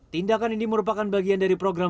tindakan ini merupakan bagian dari program